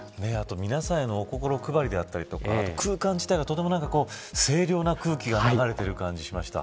皆さんへのお心配りだったり空間自体がとても清涼な空気が流れている感じがしました。